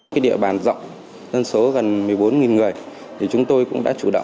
cái địa bàn rộng dân số gần một mươi bốn người thì chúng tôi cũng đã chủ động